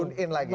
tune in lagi ya